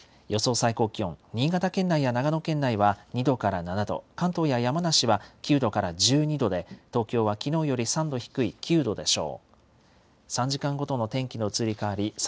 最高気温、新潟県内や長野県内は２度から７度、関東や山梨は９度から１２度で、東京はきのうより３度低い９度でしょう。